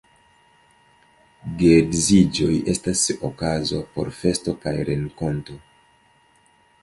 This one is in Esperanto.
Geedziĝoj estas okazo por festo kaj renkonto.